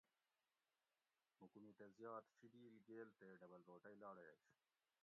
حکومیتہ زیات شِیدیل گیل تے ڈبل روٹئی لاڑیش